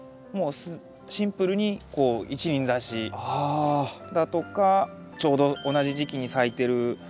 もうシンプルに一輪挿しだとかちょうど同じ時期に咲いてる。